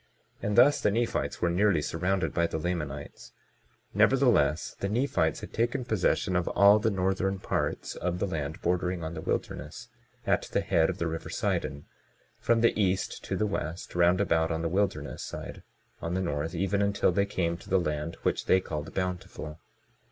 And thus the Nephites were nearly surrounded by the Lamanites; nevertheless the Nephites had taken possession of all the northern parts of the land bordering on the wilderness, at the head of the river Sidon, from the east to the west, round about on the wilderness side; on the north, even until they came to the land which they called Bountiful.